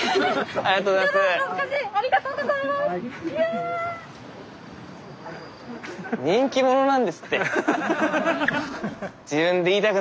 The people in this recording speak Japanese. ありがとうございますうん。